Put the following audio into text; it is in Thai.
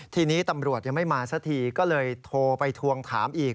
ทีนี้ตำรวจยังไม่มาสักทีก็เลยโทรไปทวงถามอีก